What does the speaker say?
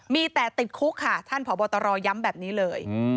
มีแต่ติดคุกค่ะท่านผอบตรย้ำแบบนี้เลย